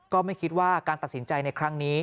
ก็ไม่คิดว่าการตัดสินใจในครั้งนี้